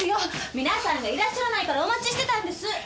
皆さんがいらっしゃらないからお待ちしてたんです。